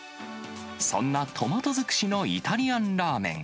そんなトマト尽くしのイタリアンラーメン。